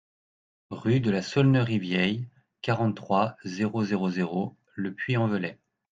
Rue de la Saulnerie Vieille, quarante-trois, zéro zéro zéro Le Puy-en-Velay